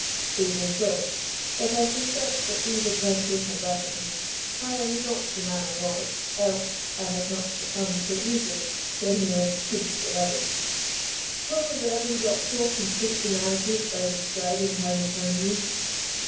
"Even so: but I suspect that these adventures have rattled me. I am not the man I was: else I had not succumbed so easily to a mere coup de soleil. Will the reverend Doctor complete the narrative by describing how he found me?"